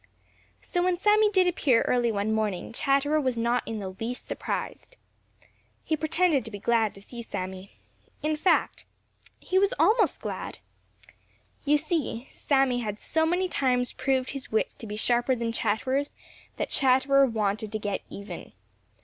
So when Sammy did appear early one morning, Chatterer was not in the least surprised. He pretended to be glad to see Sammy. In fact, he was almost glad. You see, Sammy had so many times proved his wits to be sharper than Chatterer's, that Chatterer wanted to get even.